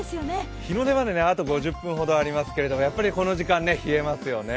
日の出までにあと５０分ほどありますけど、やっぱりこの時間、冷えますよね。